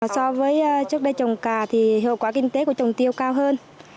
so với trước đây trồng cà thì hiệu quả kinh tế của trồng tiêu cao hơn